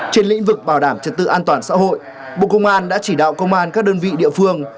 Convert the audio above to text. trên lĩnh vực bảo đảm trật tự an toàn xã hội bộ công an đã chỉ đạo công an các đơn vị địa phương